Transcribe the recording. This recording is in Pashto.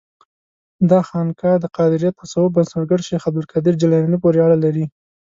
دا خانقاه د قادریه تصوف بنسټګر شیخ عبدالقادر جیلاني پورې اړه لري.